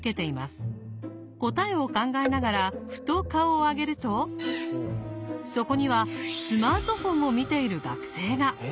答えを考えながらふと顔を上げるとそこにはスマートフォンを見ている学生が！